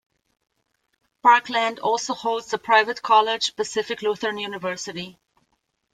Parkland also holds the private college Pacific Lutheran University.